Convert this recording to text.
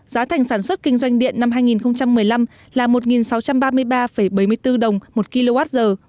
giá thành sản xuất kinh doanh điện năm hai nghìn một mươi năm là một sáu trăm ba mươi ba bảy mươi bốn đồng một kwh